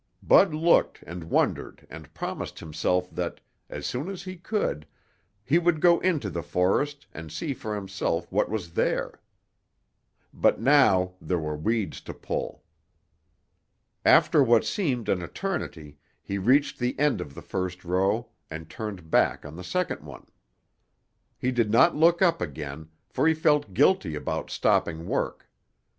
Bud looked and wondered and promised himself that, as soon as he could, he would go into the forest and see for himself what was there. But now there were weeds to pull. After what seemed an eternity, he reached the end of the first row and turned back on the second one. He did not look up again, for he felt guilty about stopping work.